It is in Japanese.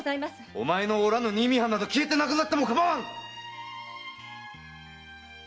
お前のおらぬ新見藩など消えてなくなっても構わぬ！